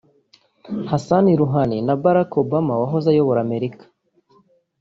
Hassan Rouhani na Barack Obama wahoze ayobora Amerika